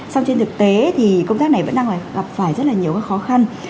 song trên thực tế thì công tác này vẫn đang gặp phải rất là nhiều khó khăn